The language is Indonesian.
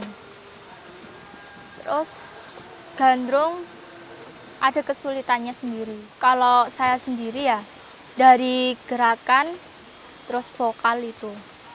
terus gandrung ada kesulitannya sendiri kalau saya sendiri ya dari gerakan terus vokal itu